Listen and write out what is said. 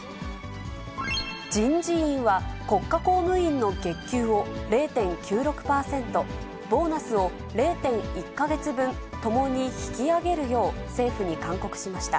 人事院は、国家公務員の月給を０．９６％、ボーナスを０．１か月分、ともに引き上げるよう、政府に勧告しました。